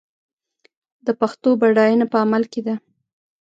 د پښتو بډاینه په عمل کې ده.